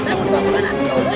saya mau dibawa ke mana